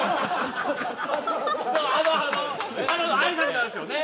あのただのあいさつなんですよね